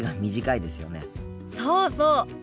そうそう。